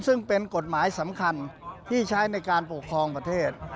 ซึ่งเป็นกฎหมายสำคัญที่ใช้ในการปกครองประเทศ